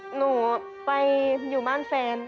หนูไปอยู่บ้านแฟน